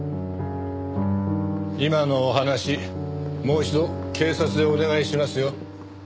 今のお話もう一度警察でお願いしますよ。